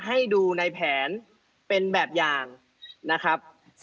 ให้ดูในแผนเป็นแบบอย่างนะครับ